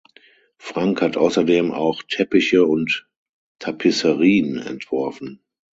Frank hat außerdem auch Teppiche und Tapisserien entworfen.